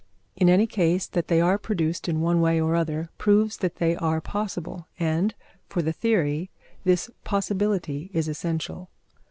In any case, that they are produced in one way or other proves that they are possible, and, for the theory, this possibility is essential.